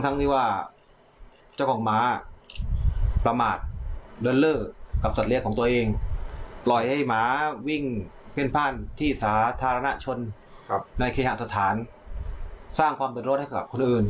ในขณะสถานสร้างความเป็นรถให้กับคนอื่น